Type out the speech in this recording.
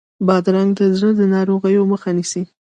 بادرنګ د زړه ناروغیو مخه نیسي.